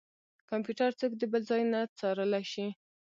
کمپيوټر څوک د بل ځای نه څارلی شي.